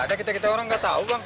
gak ada kita kita orang gak tau bang